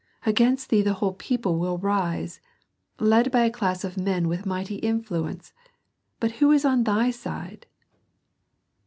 Against thee the whole people will rise, led by a class of men with mighty influence. But who is on thy side?"